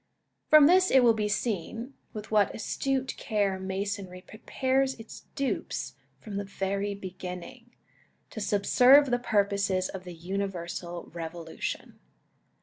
From this it will be seen, with what astute care Masonry prepares its dupes from the very beginning, to subserve the purposes of the universal Revolution.